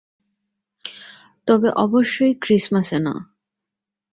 তবে অবশ্যই ক্রিসমাসে না।